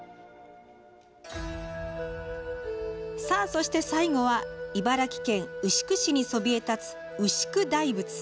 そして最後は茨城県牛久市にそびえ立つ牛久大仏。